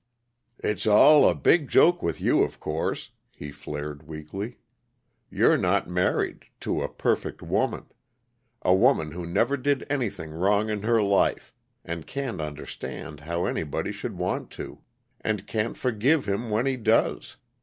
"It's all a big joke with you, of course," he flared weakly. "You're not married to a perfect woman; a woman who never did anything wrong in her life, and can't understand how anybody should want to, and can't forgive him when he does.